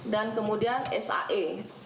dan kemudian sae